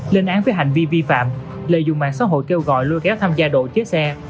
lên án với hành vi vi phạm lợi dụng mạng xã hội kêu gọi lôi kéo tham gia độ chế xe